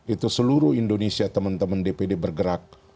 itu seluruh indonesia teman teman dpd bergerak